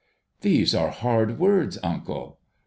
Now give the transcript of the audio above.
' These are hard words, uncle